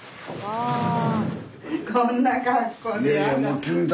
こんな格好でやだ。